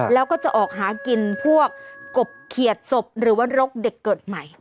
แล้วก็จะออกหากินพวกกบเขียดศพหรือว่ารกเด็กเกิดใหม่